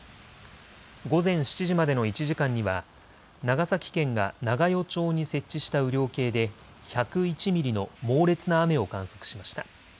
午前７時までの１時間には長崎県が長与町に設置した雨量計で１０１ミリの猛烈な雨を観測しました。